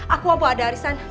aku hampir ada arisan